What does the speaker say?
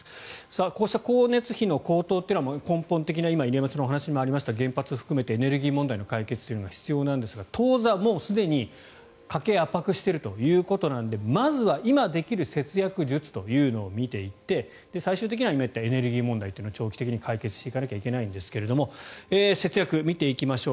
こうした光熱費の高騰というのは根本的に今、入山さんのお話にもありましたがエネルギー問題の解決に向けて必要なんですが当座、もうすでに家計を圧迫しているということなのでまずは今できる節約術というのを見ていって最終的には今お話にあったエネルギー問題を解決しないといけませんが節約、見ていきましょう。